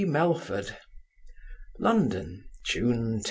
MELFORD LONDON, June 10.